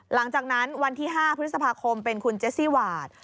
หลังจากที่วันที่๕พฤษภาคมเป็นคุณเจสซี่วาด